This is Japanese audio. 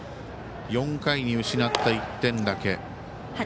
４回に失った１点だけ。